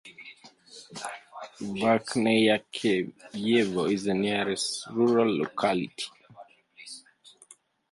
Verkhneyarkeyevo is the nearest rural locality.